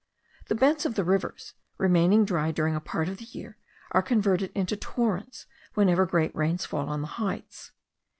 The beds of the rivers, remaining dry during a part of the year, are converted into torrents whenever great rains fall on the heights.